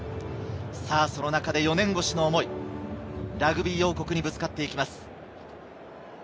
その中で４年越しの想い、ラグビー王国にぶつかっていきます。